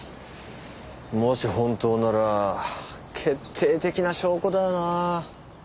もし本当なら決定的な証拠だよな。